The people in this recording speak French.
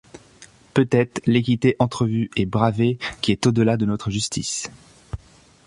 Peut-être l’équité entrevue et bravée qui est au delà de notre justice.